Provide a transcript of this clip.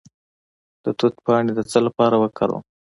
د توت پاڼې د څه لپاره وکاروم؟